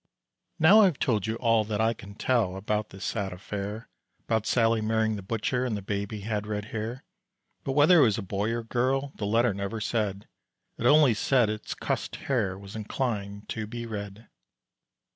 Now I've told you all that I can tell About this sad affair, 'Bout Sallie marrying the butcher And the baby had red hair. But whether it was a boy or girl The letter never said, It only said its cussed hair Was inclined to be red.